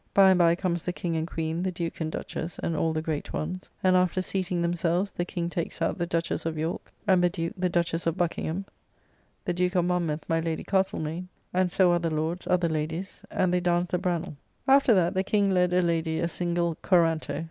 By and by comes the King and Queen, the Duke and Duchess, and all the great ones: and after seating themselves, the King takes out the Duchess of York; and the Duke, the Duchess of Buckingham; the Duke of Monmouth, my Lady Castlemaine; and so other lords other ladies: and they danced the Bransle. "Branle.